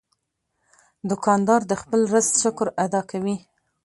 دوکاندار د خپل رزق شکر ادا کوي.